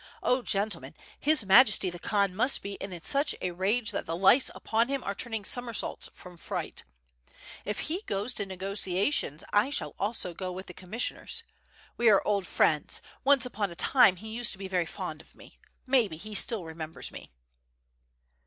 Oh! gentlemen, his Majesty the Khan must be in such a rage that the lice upon him are turning summersaults from fright. If he goes to negotiations, I shall also go vrith the commis sioners. We are old friends; once upon a time he used to be very fond of me. Maybe he still remembers me."